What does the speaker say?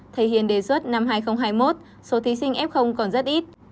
thầy hiền đề xuất năm hai nghìn hai mươi một số thí sinh f còn rất ít